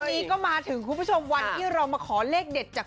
วันนี้ก็มาถึงคุณผู้ชมวันที่เรามาขอเลขเด็ดจาก